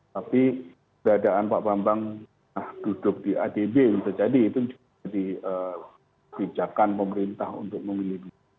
tapi keadaan pak bambang duduk di adb untuk jadi itu juga jadi bijakan pemerintah untuk memilih